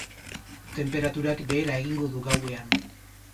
Tenperaturak behera egingo du gauean.